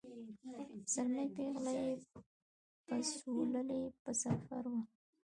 زلمی پېغله یې پسوللي په ظفر وه